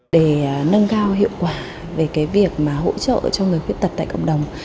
để nâng cao hiệu quả về cái việc mà hỗ trợ cho người khuyết tật tại cộng đồng